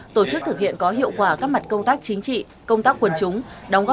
tổ chức thực hiện có hiệu quả các mặt công tác chính trị công tác quần chúng